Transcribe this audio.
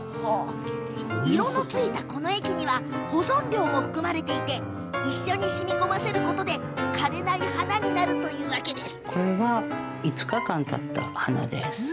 色のついた、この液には保存料も含まれていて一緒にしみこませることで枯れない花になるというわけです。